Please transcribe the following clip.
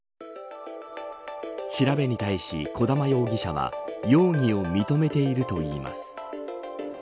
調べに対し、児玉容疑者は容疑を認めているといいます。